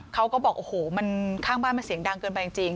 เขาก็บอกโอ้โหมันข้างบ้านมันเสียงดังเกินไปจริง